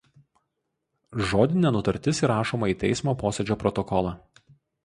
Žodinė nutartis įrašoma į teismo posėdžio protokolą.